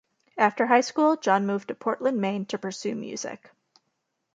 After high school, John moved to Portland, Maine, to pursue music.